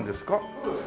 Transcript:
そうです。